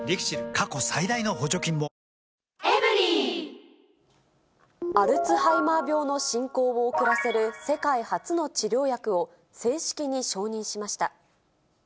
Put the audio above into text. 過去最大の補助金もアルツハイマー病の進行を遅らせる世界初の治療薬を正式に承認しました。